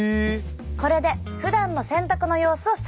これでふだんの洗濯の様子を再現します。